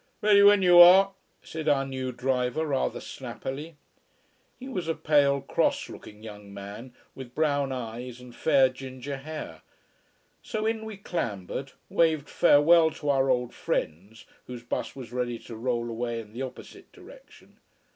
"Ready when you are," said our new driver rather snappily. He was a pale, cross looking young man with brown eyes and fair "ginger" hair. So in we clambered, waved farewell to our old friends, whose bus was ready to roll away in the opposite direction.